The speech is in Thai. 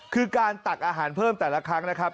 คือการตักอาหารเพิ่มแต่ละครั้งนะครับ